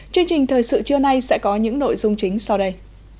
chương trình thời sự trưa nay sẽ có những nội dung chính sau đây